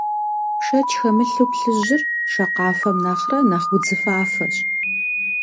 Шэч хэмылъу, плъыжьыр шакъафэм нэхърэ нэхъ удзыфафэщ.